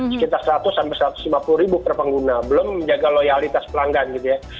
sekitar seratus sampai satu ratus lima puluh ribu per pengguna belum menjaga loyalitas pelanggan gitu ya